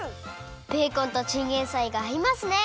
ベーコンとチンゲンサイがあいますね！